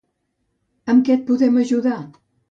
Amb que et podem ajudar?